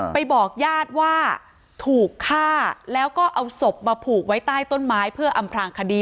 บอกญาติว่าถูกฆ่าแล้วก็เอาศพมาผูกไว้ใต้ต้นไม้เพื่ออำพลางคดี